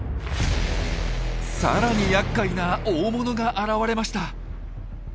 更にやっかいな大物が現れました。